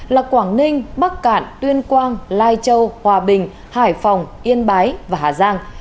là quảng ninh bắc cạn tuyên quang lai châu hòa bình hải phòng yên bái và hà giang